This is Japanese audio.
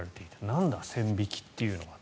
なんだ、線引きというのは。